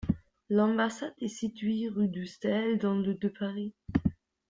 L'ambassade est située rue de Staël dans le de Paris.